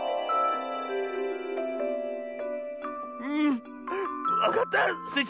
うんわかった。